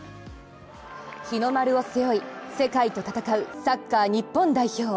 日の丸を背負い、世界と戦うサッカー日本代表。